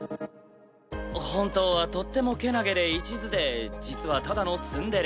本当はとってもけなげでいちずで実はただのツンデレ。